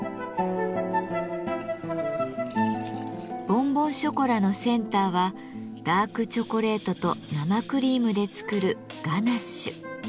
ボンボンショコラのセンターはダークチョコレートと生クリームで作る「ガナッシュ」。